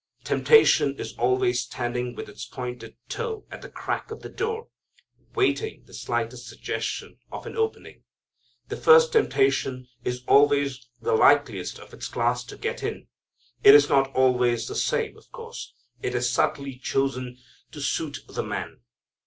Temptation is always standing with its pointed toe at the crack of the door, waiting the slightest suggestion of an opening. This first temptation is always the likeliest of its class to get in. It is not always the same, of course. It is subtly chosen to suit the man.